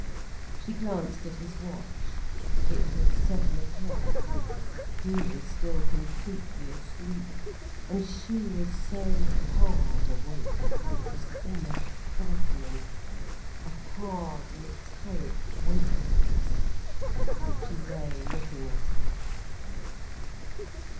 She glanced at his watch; it was seven o'clock. He was still completely asleep. And she was so hard awake, it was almost frightening—a hard, metallic wakefulness. She lay looking at him.